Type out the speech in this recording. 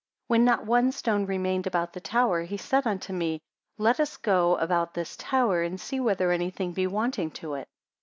83 When not one stone remained about the tower, he said unto me, Let us go about this tower, and see whether anything be wanting to it.